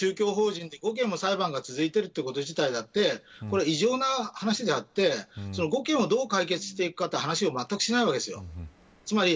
一つの宗教法人で５件も裁判が続いているということであってこれは異常な話であってその５件をどう解決していくかという話をまったくしないわけです。